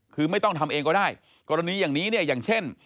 คือไม่ต้องทำเองก็ได้กรณีอย่างนี้เนี่ยอย่างเช่น